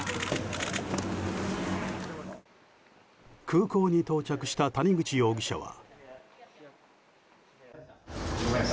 空港に到着した谷口容疑者は。